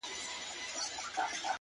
o گرانه شاعره صدقه دي سمه ـ